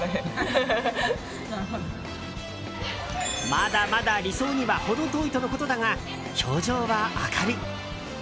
まだまだ理想には程遠いとのことだが表情は明るい。